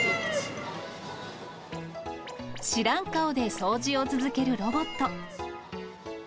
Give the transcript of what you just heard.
知らん顔で掃除を続けるロボット。